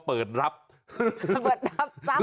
เปริดรับรับ